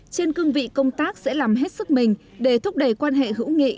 trên cương vị công tác sẽ làm hết sức mình để thúc đẩy quan hệ hữu nghị